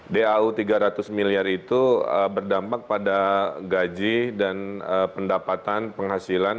dau tiga ratus miliar itu berdampak pada gaji dan pendapatan penghasilan